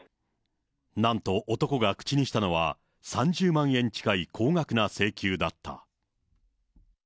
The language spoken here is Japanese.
なんと男が口にしたのは、３０万円近い高額な請求だった。